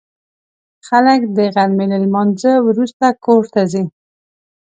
خلک د غرمې له لمانځه وروسته کور ته ځي